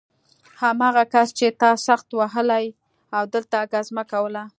هماغه کس چې تا سخت وهلی و دلته ګزمه کوله